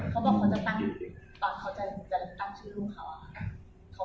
เขาบอกเขาจะตั้งชื่อลูกเขาค่ะ